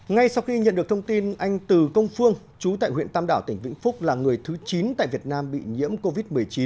ngay sau khi nhận được thông tin anh từ công phương chú tại huyện tam đảo tỉnh vĩnh phúc là người thứ chín tại việt nam bị nhiễm covid một mươi chín